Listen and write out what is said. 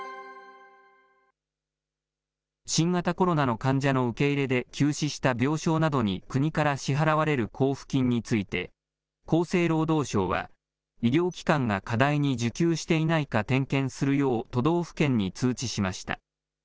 新型コロナの患者の受け入れで休止した病床などに国から支払われる交付金について、厚生労働省は、医療機関が過大に受給していないか点検するよう都道府県に通知しました。